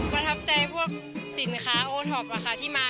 ประทับใจพวกสินค้าโอท็อปที่มา